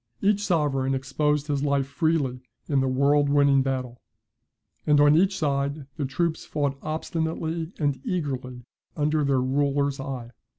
Each sovereign exposed his life freely in the world winning battle; and on each side the troops fought obstinately and eagerly under their ruler's eye.